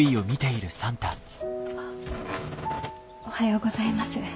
おはようございます。